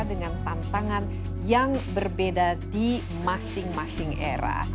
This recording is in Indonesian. dengan tantangan yang berbeda di masing masing era